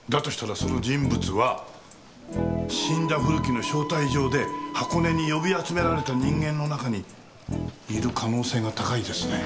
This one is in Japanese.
としたらその人物は死んだ古木の招待状で箱根に呼び集められた人間の中にいる可能性が高いですね。